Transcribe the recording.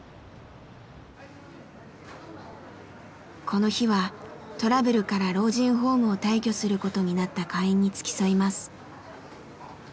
この日はトラブルから老人ホームを退去することになった会員に付き添います。